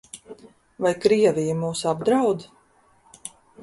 Vai Krievija mūs apdraud?